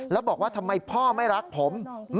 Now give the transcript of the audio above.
แล้วบอกว่าทำไมพ่อไม่รักผม